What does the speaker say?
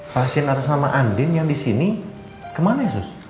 pasien atas nama andin yang di sini kemana ya